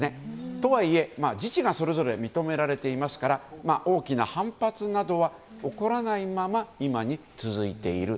とはいえ、自治がそれぞれ認められていますから大きな反発などは起こらないまま今に続いている。